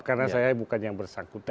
karena saya bukan yang bersangkutan